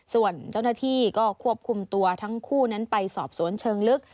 ส่วนเจ้าหน้าที่ก็ควบคุมตัวทั้งคู่นั้นไปสอบสวนเชิงลึก